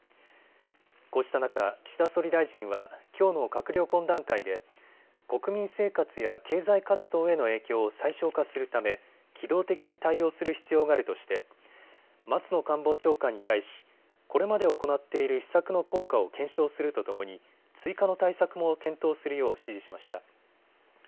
こうした中、岸田総理大臣はきょうの閣僚懇談会で国民生活や経済活動への影響を最小化するため機動的に対応する必要があるとして松野官房長官に対しこれまで行っている施策の効果を検証するとともに追加の対策も検討するよう指示しました。